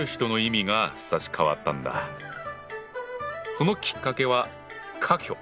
そのきっかけは「科挙」。